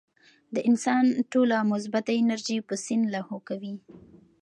د انسان ټوله مثبت انرجي پۀ سين لاهو کوي -